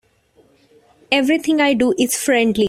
Everything I do is friendly.